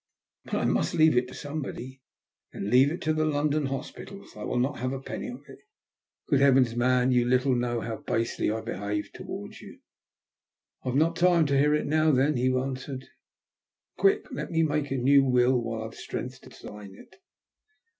" But I must leave it to somebody/' Then leave it to the London hospitals. I will not have a penny of it. Good heavens, man, you little know how basely I behaved towards you I " 276 THE LUST OF HATE. I've not time to hear it now, then/' he answered. ''Quick ! let me make anew will while I've strength to sign it."